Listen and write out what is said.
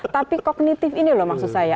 tapi kognitif ini loh maksud saya